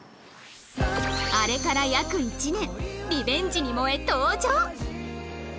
あれから約１年リベンジに燃え登場！